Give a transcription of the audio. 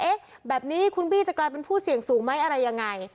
แบบนี้คุณบี้จะกลายเป็นผู้เสี่ยงสูงไหมอะไรยังไง